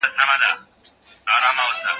خوله یې خلاصه دواړي سترګي یې ژړاندي